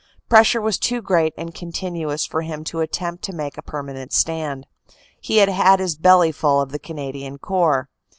Pres sure was too great and continuous for him to attempt to make a permanent stand. He had had his bellyful of the Canadian Corps.